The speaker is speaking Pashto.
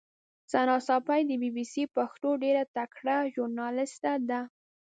ثنا ساپۍ د بي بي سي پښتو ډېره تکړه ژورنالیسټه ده.